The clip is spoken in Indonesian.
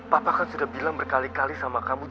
papa kan sudah bilang berkali kali sama kamu